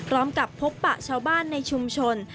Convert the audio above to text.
พร้อมกับพบปะชาวบ้านในชุมชน